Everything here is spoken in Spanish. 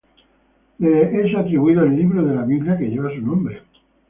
Le es atribuido el libro de la Biblia que lleva su nombre.